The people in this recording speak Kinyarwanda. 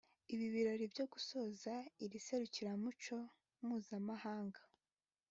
Ibirori byo gusoza iri serukiramuco mpuzamahanga